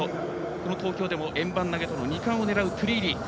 この東京でも、円盤投げでも２冠を狙うトゥリーリ。